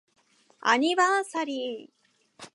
アニバーサリー